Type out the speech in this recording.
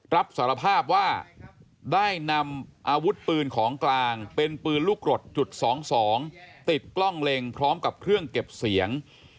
รับสารภาพว่าได้นำอาวุธปืนของกลางเป็นปืนลูกกรดจุด๒๒ติดกล้องเล็งพร้อมกับเครื่องเก็บเสียง